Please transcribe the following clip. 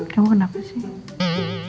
kamu kenapa sih